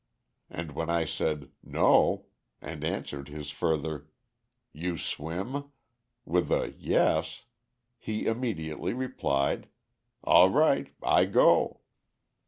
And when I said "No," and answered his further "You swim?" with a "Yes!" he immediately replied; "All right, I go."